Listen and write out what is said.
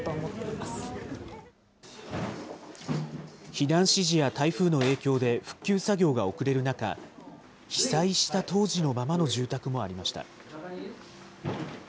避難指示や台風の影響で復旧作業が遅れる中、被災した当時のままの住宅もありました。